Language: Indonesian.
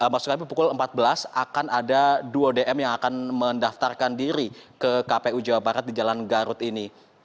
maksud kami pukul empat belas akan ada duo dm yang akan mendaftarkan diri ke kpu jawa barat di jalan garut ini